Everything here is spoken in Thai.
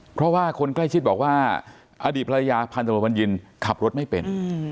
เพราะว่าคนใกล้ชิดบอกว่าอดีตภรรยาพันธบทบัญญินขับรถไม่เป็น